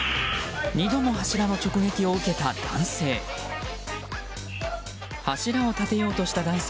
２度も柱の直撃を受けた男性。